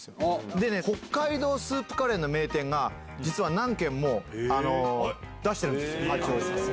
でね、北海道スープカレーの名店が、実は何軒も出してるんです、八王子。